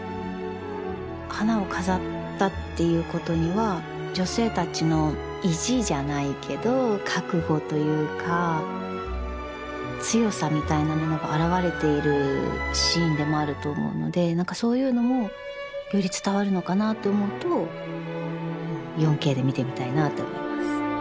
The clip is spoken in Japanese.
花を飾ったということには女性たちの意地じゃないけど覚悟というか強さみたいなものが表れているシーンでもあると思うので何かそういうのもより伝わるのかなと思うと４Ｋで見てみたいなと思います。